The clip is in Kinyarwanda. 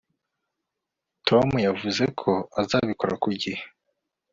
Tom yavuze ko azabikora ku gihe